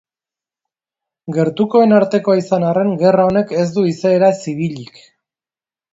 Gertukoen artekoa izan arren gerra honek ez du izaera zibilik.